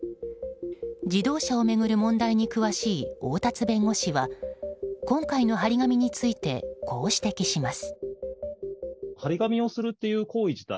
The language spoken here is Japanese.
自動車を巡る問題に詳しい大達弁護士は今回の貼り紙についてこう指摘します。